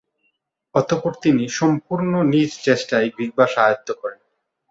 অতঃপর তিনি সম্পূর্ণ নিজ চেষ্টায় গ্রিক ভাষা আয়ত্ত করেন।